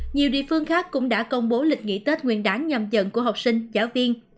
nhiều địa phương khác cũng đã công bố lịch nghỉ tết nguyên đáng nhầm của học sinh giáo viên